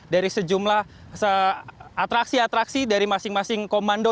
dari sejumlah atraksi atraksi dari masing masing komando